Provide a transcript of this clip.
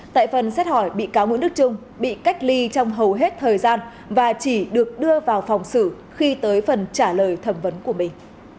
tại phần xét hỏi bị cáo nguyễn đức trung bị cách ly trong hầu hết thời gian và chỉ được đưa vào phòng xử khi tới phần trả lời thẩm vấn của mình